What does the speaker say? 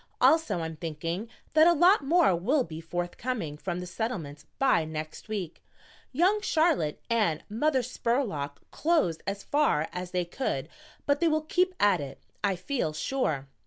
"Also I'm thinking that a lot more will be forthcoming from the Settlement by next week. Young Charlotte and Mother Spurlock clothed as far as they could, but they will keep at it, I feel sure.